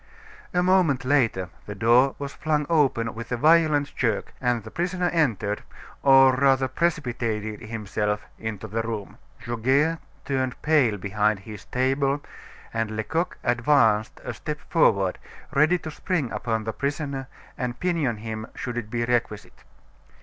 A moment later the door was flung open with a violent jerk, and the prisoner entered, or rather precipitated himself into the room. Goguet turned pale behind his table, and Lecoq advanced a step forward, ready to spring upon the prisoner and pinion him should it be requisite.